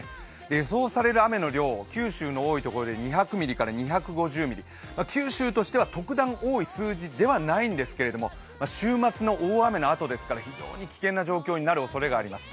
予想される雨の量、九州の多いところで２００ミリから２５０ミリ、九州としては特段、多い数字ではないんですけど週末の大雨のあとですから、非常に危険な状況になるおそれがあります。